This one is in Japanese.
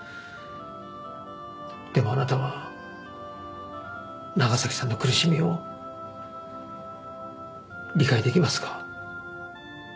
でもあなたは長崎さんの苦しみを理解出来ますか？